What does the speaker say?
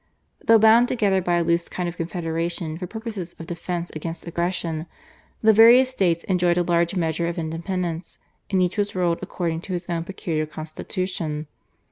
Though bound together by a loose kind of confederation for purposes of defence against aggression, the various states enjoyed a large measure of independence, and each was ruled according to its own peculiar constitution.